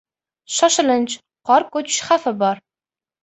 Shoshilinch: qor ko‘chish xavfi bor!